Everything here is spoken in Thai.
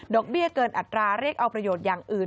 เบี้ยเกินอัตราเรียกเอาประโยชน์อย่างอื่น